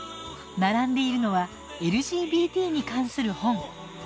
並んでいるのはＬＧＢＴに関する本。